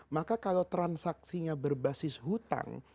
maka kalau transaksinya berbasis hutang